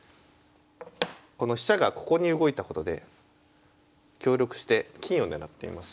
この飛車がここに動いたことで協力して金を狙っています。